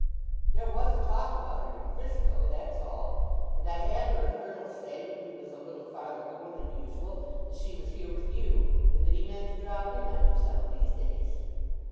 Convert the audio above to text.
"There was a talk about it in Frisco; that's all. And I have heard Hurtle say when he was a little farther gone than usual that she was here with you, and that he meant to drop in on you some of these days."